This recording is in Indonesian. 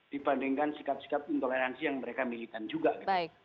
dibandingkan sikap sikap intoleransi yang mereka milihkan juga